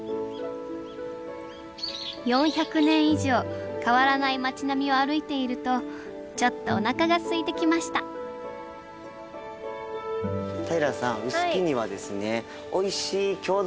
４００年以上変わらない町並みを歩いているとちょっとおなかがすいてきました平さんおっ。